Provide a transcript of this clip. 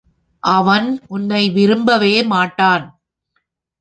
அவன் உன்னை விரும்பவே மாட்டான்.